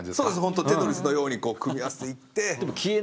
本当テトリスのように組み合わせていって。